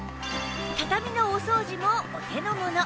畳のお掃除もお手のもの！